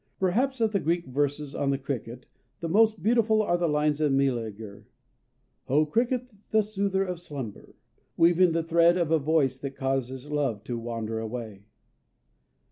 Perhaps of Greek verses on the cricket, the most beautiful are the lines of Meleager: "_O cricket, the soother of slumber ... weaving the thread of a voice that causes love to wander away!